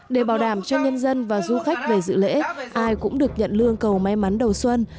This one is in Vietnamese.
để bảo đảm cho nhân dân và du khách về dự lễ ai cũng được nhận lương cầu may mắn đầu xuân